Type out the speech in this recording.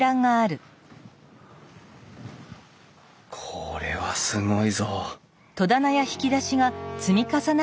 これはすごいぞ！